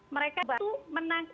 mereka itu menangkap